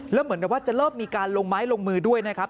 แล้วเหมือนกับว่าจะเริ่มมีการลงไม้ลงมือด้วยนะครับ